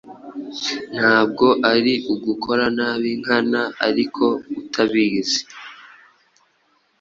Ntabwo ari ugukora nabi nkana, ariko utabizi